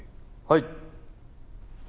はい。